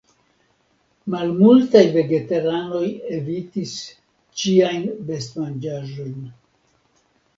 Malmultaj vegetaranoj evitis ĉiajn best-manĝaĵojn.